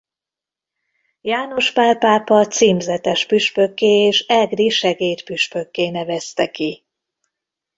János Pál pápa címzetes püspökké és egri segédpüspökké nevezte ki.